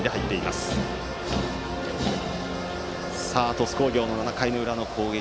鳥栖工業の７回の裏の攻撃。